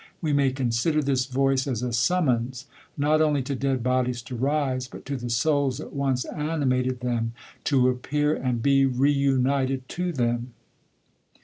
We iiiay con sider this voice as a summons not only to dead bodies to rise, but to the souls that once animated them, to ap pear and be re united to them.